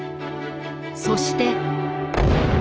そして。